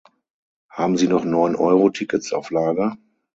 Haben Sie noch Neun-Euro-Tickets auf Lager?